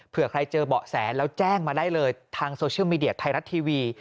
เพื่อใครเจอเบาะแสแล้วแจ้งมาได้เลยทางโซเชียลมีเดียไทยรัฐทีวี